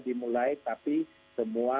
dimulai tapi semua